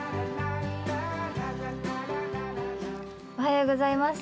おはようございます。